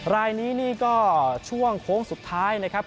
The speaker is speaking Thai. รายนี้นี่ก็ช่วงโค้งสุดท้ายนะครับ